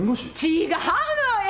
違うのよ！